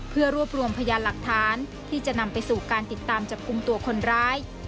เพื่อรวบรวมพยานหลักฐานที่จะนำไปสู่การติดตามจับกลุ่มตัวคนร้าย